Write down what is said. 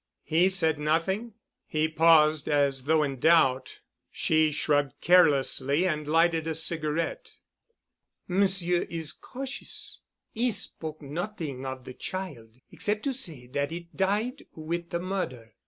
"He said nothing——?" He paused as though in doubt. She shrugged carelessly and lighted a cigarette. "Monsieur is cautious. 'E spoke not'ing of de child, except to say dat it died wit' de mother.